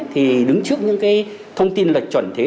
thì đứng trước những cái thông tin lệch chuẩn thế